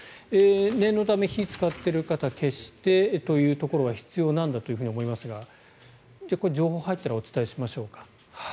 念のため火を使っている方は消してということが必要なんだと思いますが情報入ったらお伝えしましょうか。